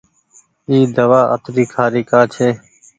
اي دوآ اتري کآري ڪآ ڇي۔